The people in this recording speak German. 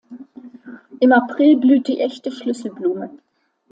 Im April blüht die echte Schlüsselblume.